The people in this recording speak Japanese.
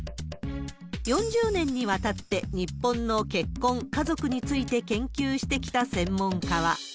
４０年にわたって、日本の結婚、家族について研究してきた専門家は。